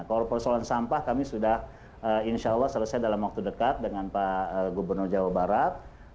kalau persoalan sampah kami sudah insya allah selesai dalam waktu dekat dengan pak gubernur jawa barat